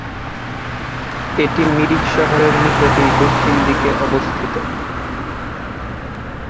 এটি মিরিক শহরের নিকটেই দক্ষিণ দিকে অবস্থিত।